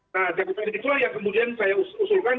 nah jangka pendek itulah yang kemudian saya usulkan